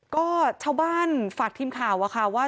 ก็ชาวบ้านฝากทีมข่าวว่า